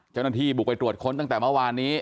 เจ้าหน้าที่บุกไปตรวจค้นตั้งแต่เมื่อวานนี้